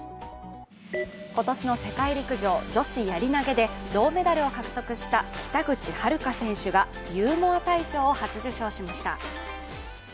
今年の世界陸上女子やり投げで銅メダルを獲得した北口榛花選手が、ゆうもあ大賞を初受賞しました。